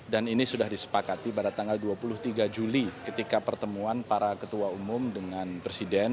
dan ini sudah disepakati pada tanggal dua puluh tiga juli ketika pertemuan para ketua umum dengan presiden